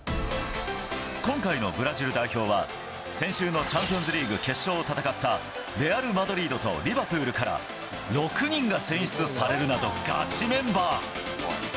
今回のブラジル代表は、先週のチャンピオンズリーグ決勝を戦ったレアル・マドリードとリバプールから６人が選出されるなど、ガチメンバー。